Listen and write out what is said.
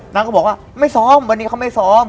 นางก็บอกว่าไม่ซ้อมวันนี้เขาไม่ซ้อม